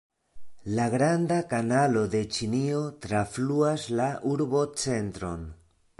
La Granda Kanalo de Ĉinio trafluas la urbocentron.